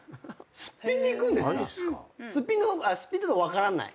すっぴんで行くんですか⁉すっぴんだと分からない？